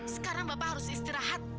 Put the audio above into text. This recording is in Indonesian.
sekarang bapak harus istirahat